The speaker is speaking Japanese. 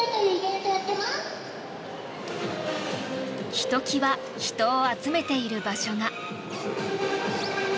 ひときわ人を集めている場所が。